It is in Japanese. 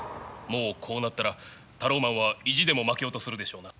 もうこうなったらタローマンは意地でも負けようとするでしょうな。